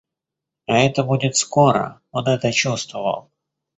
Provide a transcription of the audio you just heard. А это будет скоро, он это чувствовал.